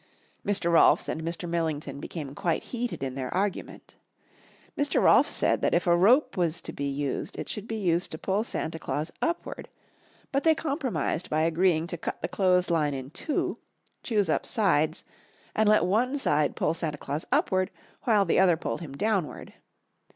Mr. Rolfs and Mr. Millington became quite heated in their argument. Mr. Rolfs said that if a rope was to be used it should be used to pull Santa Claus upward, but they compromised by agreeing to cut the clothesline in two, choose up sides, and let one side pull Santa Claus upward, while the other pulled him downward.